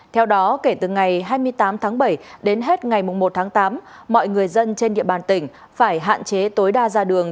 theo đó kể từ ngày hai mươi tám tháng bảy đến hết ngày một tháng tám mọi người dân trên địa bàn tỉnh phải hạn chế tối đa ra đường